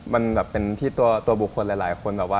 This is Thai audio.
มันเป็นที่ตัวบุคคลหลายคน